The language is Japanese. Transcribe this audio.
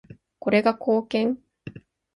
これが貢献？